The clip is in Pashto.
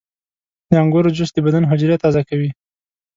• د انګورو جوس د بدن حجرې تازه کوي.